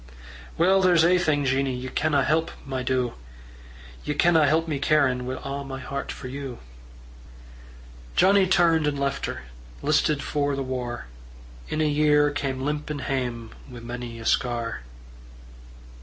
"Well, there's ae thing, Jeannie, Ye canna help, my doo Ye canna help me carin' Wi' a' my hert for you." Johnnie turned and left her, Listed for the war; In a year cam' limpin' Hame wi' mony a scar.